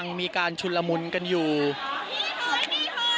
ตอนนี้มีการฮือเข้าไปอีกครั้งหนึ่งแล้วนะครับมีการฮือเข้าไปอีกครั้งหนึ่งแล้ว